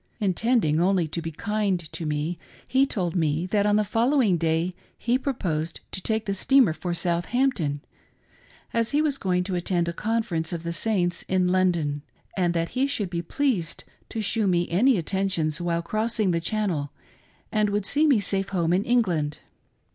Intending only to be kind to me, he told me that on the fol lowing day he proposed to take the steamer for Southampton, as he was going to attend a conference of the Saints in Lon don, and that he should be pleased to shew me any attentions while crossing the Channel, and would see me safe home in England.